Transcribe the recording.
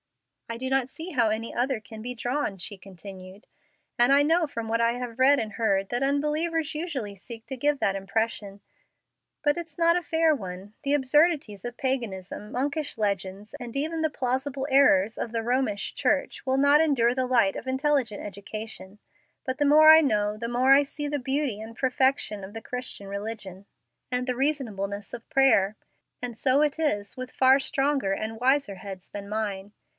"I do not see how any other can be drawn," she continued; "and I know from what I have read and heard that unbelievers usually seek to give that impression. But it's not a fair one. The absurdities of paganism, monkish legends, and even the plausible errors of the Romish Church, will not endure the light of intelligent education; but the more I know the more I see the beauty and perfection of the Christian religion and the reasonableness of prayer, and so it is with far stronger and wiser heads than mine.